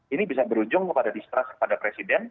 ini bisa berujung kepada distrust kepada presiden